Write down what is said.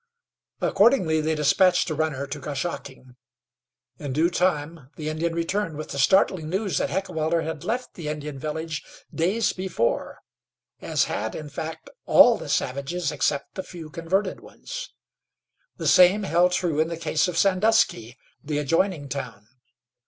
Accordingly they dispatched a runner to Goshocking. In due time the Indian returned with the startling news that Heckewelder had left the Indian village days before, as had, in fact, all the savages except the few converted ones. The same held true in the case of Sandusky, the adjoining town.